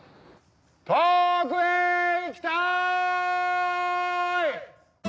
遠くへ行きたい！